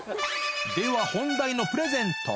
では本題のプレゼント。